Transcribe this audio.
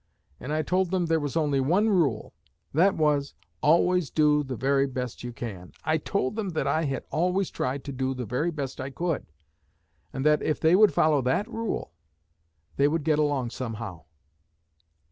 And I told them there was only one rule; that was, always do the very best you can. I told them that I had always tried to do the very best I could; and that, if they would follow that rule, they would get along somehow.